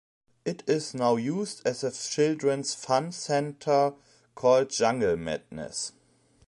It is now used as a children's fun centre called "Jungle Madness".